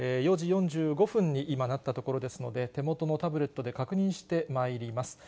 ４時４５分に今なったところですので、手元のタブレットで確認してまいります。